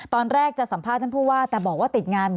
ตอนแรกจะสัมภาษณ์ท่านผู้ว่าแต่บอกว่าติดงาน